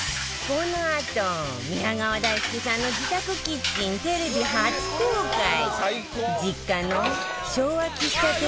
このあと、宮川大輔さんの自宅キッチンをテレビ初公開。